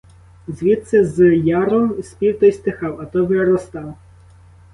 Звідси, з яру, спів той стихав, а то виростав.